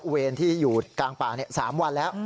เวรที่อยู่กลางป่า๓วันแล้ว